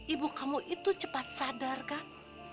ibu kamu itu cepat sadar kan